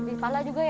pih pala juga ya